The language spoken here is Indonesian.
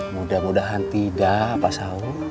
mudah mudahan tidak pak sau